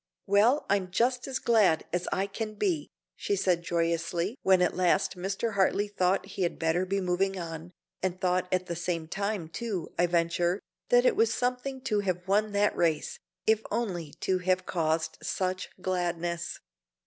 "Well, I'm just as glad as I can be," she said joyously when at last Mr. Hartley thought he had better be moving on, and thought at the same time, too, I venture, that it was something to have won that race, if only to have caused such gladness.